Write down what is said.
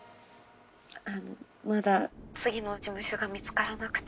あのまだ次の事務所が見つからなくて。